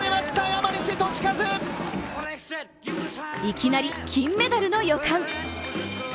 いきなり金メダルの予感。